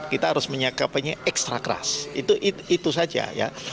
kita harus menyiapkannya ekstra keras itu saja ya